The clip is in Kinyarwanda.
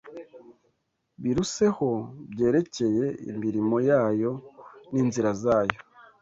biruseho byerekeye imirimo yayo n’inzira zayo.